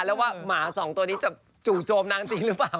แล้วว่าหมาสองตัวนี้จะจู่โจมนางจริงหรือเปล่า